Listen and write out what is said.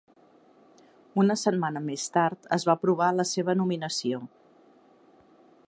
Una setmana més tard, es va aprovar la seva nominació.